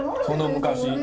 その昔。